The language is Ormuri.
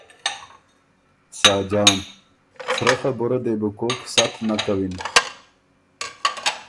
ساجان ـــ سرۀ خبُره دې بو کوک ست نک کَوِن